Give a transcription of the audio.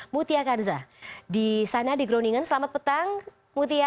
mutia kanza di sana di growningen selamat petang mutia